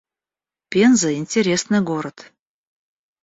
Пенза — интересный город